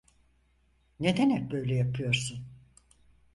Neden hep böyle yapıyorsun?